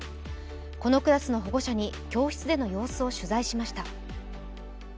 このクラスの保護者に教室での様子を取材しました。